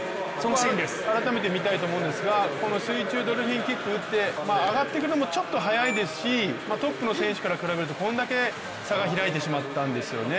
水中ドルフィンキックを打って上がってくるのもちょっと早いですしトップの選手から比べるとこれだけ差が開いてしまったんですよね。